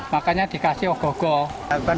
makanya dikasih ogoh ogoh